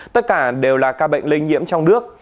tất cả đều là ca bệnh lây nhiễm trong nước